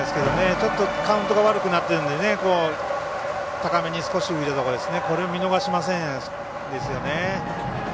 ちょっとカウントが悪くなってるんで高めに少し浮いたところこれを見逃しませんでしたね。